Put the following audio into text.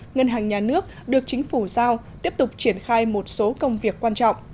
ngân hàng nhà nước được chính phủ giao tiếp tục triển khai một số công việc quan trọng